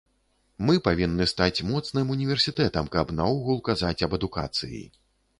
Мы павінны стаць моцным універсітэтам, каб наогул казаць аб адукацыі.